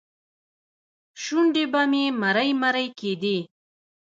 شونډې به مې مرۍ مرۍ کېدې.